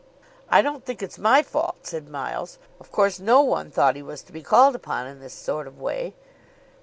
"I don't think it's my fault," said Miles. "Of course no one thought he was to be called upon in this sort of way."